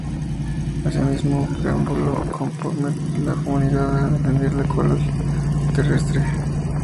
Asimismo, el preámbulo compromete a la comunidad a defender la ecología terrestre.